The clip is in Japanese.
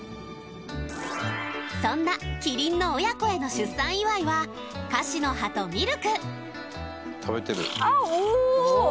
そんなキリンの親子への出産祝いはカシの葉とミルクあっ